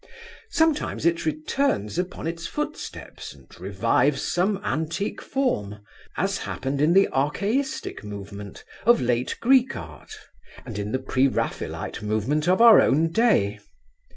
Sometimes it returns upon its footsteps, and revives some antique form, as happened in the archaistic movement of late Greek Art, and in the pre Raphaelite movement of our own day.